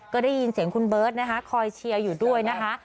ก็ได้ยินเสียงคุณเบิร์ตนะคะคอยเชียร์อยู่ด้วยนะคะ